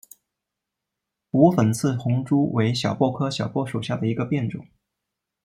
无粉刺红珠为小檗科小檗属下的一个变种。